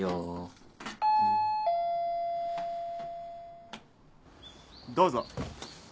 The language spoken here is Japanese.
・どうぞ。